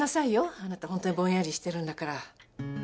あなた本当にぼんやりしてるんだから。